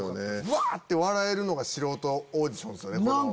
ワ！って笑えるのが素人オーディションですよね。